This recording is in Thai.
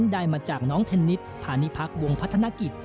ได้มาจากน้องเทนนิสพาณิพักษ์วงพัฒนกิจ